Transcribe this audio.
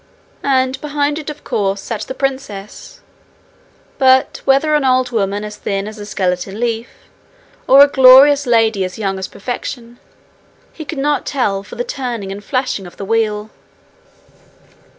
and behind it of course sat the princess, but whether an old woman as thin as a skeleton leaf, or a glorious lady as young as perfection, he could not tell for the turning and flashing of the wheel.